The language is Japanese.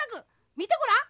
みてごらん。